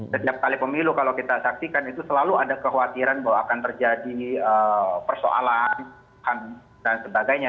setiap kali pemilu kalau kita saksikan itu selalu ada kekhawatiran bahwa akan terjadi persoalan ham dan sebagainya